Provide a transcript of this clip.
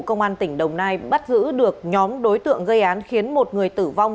công an tỉnh đồng nai bắt giữ được nhóm đối tượng gây án khiến một người tử vong